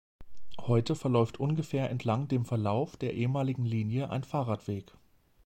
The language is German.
Heute verläuft ungefähr entlang dem Verlauf der ehemaligen Linie ein Fahrradweg.